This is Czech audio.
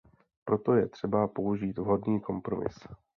Proto je třeba použít vhodný kompromis.